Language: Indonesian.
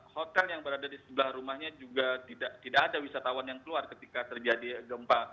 hotel yang berada di sebelah rumahnya juga tidak ada wisatawan yang keluar ketika terjadi gempa